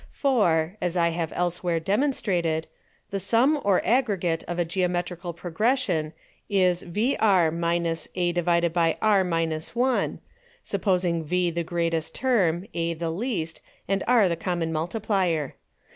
For (as I have elsewhere demonstrated) the Sum or Aggregate of a Geometrical Progression is (VR A)/(R 1) (supposing V the greatest Term, A the least, and R the common Multiplier.)